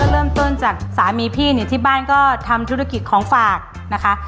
เริ่มต้นจากสามีพี่เนี่ยที่บ้านก็ทำธุรกิจของฝากนะคะ